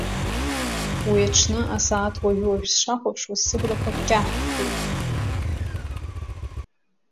Уи аҽны асааҭ уажәы-уажә сшахәаԥшуаз сыблақәа кьаҳәхеит.